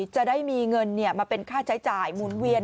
จะได้มีเงินมาเป็นค่าใช้จ่ายหมุนเวียน